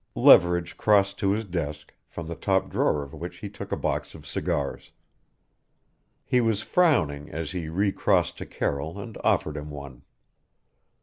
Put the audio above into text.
Leverage crossed to his desk, from the top drawer of which he took a box of cigars. He was frowning as he recrossed to Carroll and offered him one.